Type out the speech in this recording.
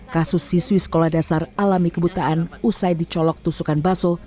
kasus siswi sekolah dasar alami kebutaan usai dicolok tusukan baso